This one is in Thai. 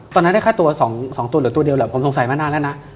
ตอนนั้นได้แค่ตัว๒ตัวเหลือตัวเดียวแหละผมสงสัยมานานแล้วนะ